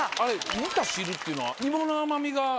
煮た汁っていうのは。